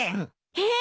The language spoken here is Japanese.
えっ！？